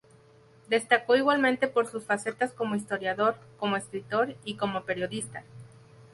Destacó igualmente por sus facetas como historiador, como escritor y como periodista.